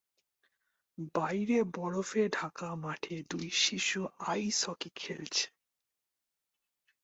বাইরে বরফে ঢাকা মাঠে দুই শিশু আইস হকি খেলছে।